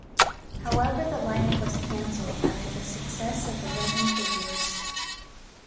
However the lineup was cancelled after the success of the resin figures.